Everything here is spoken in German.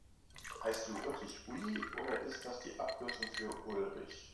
Heißt du wirklich Uli, oder ist das die Abkürzung für Ulrich?